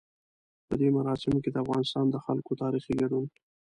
په دې مراسمو کې د افغانستان د خلکو تاريخي ګډون.